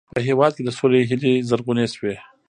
په هېواد کې د سولې هیلې زرغونې سوې.